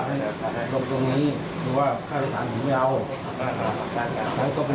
ให้ลงตรงนี้หรือว่าค่าโดยสารถึงไม่เอาค่ะนั้นก็เป็น